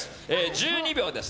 １２秒です。